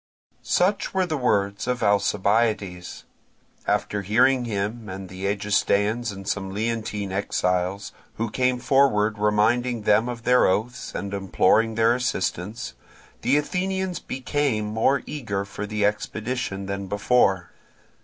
Such were the words of Alcibiades. After hearing him and the Egestaeans and some Leontine exiles, who came forward reminding them of their oaths and imploring their assistance, the Athenians became more eager for the expedition than before.